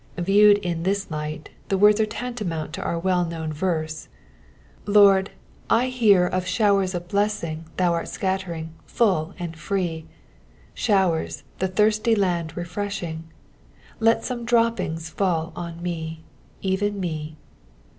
Viewed in this light the words are tantamoimt to our well known verse— Lord, I hear of ehowers of blesslnsf Tbou art scatter! off, full and free ; Showers, the thirsty land refreshing ; Let some droppings fall on me, Even me."